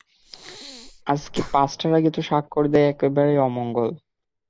আজকে পাঁচটার আগে তো স্বাক্ষর দেয়া একেবারেই অমঙ্গল।